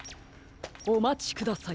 おまちください。